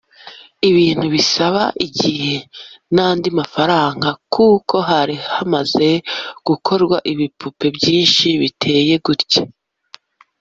ibintu bisaba igihe n’andi mafaranga kuko hari hamaze gukorwa ibipupe byinshi biteye gutyo